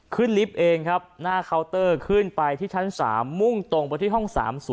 ขึ้นลิฟต์เองขึ้นไปที่ชั้น๓มุ่งตรงไปที่ห้อง๓๐๓